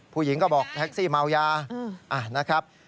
ผู้หญิงก็บอกแท็กซี่เมายา